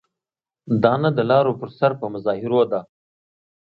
دا نه د لارو پر سر په مظاهرو ده.